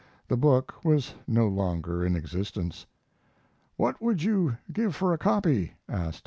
The book was no longer in existence. "What would you give for a copy?" asked.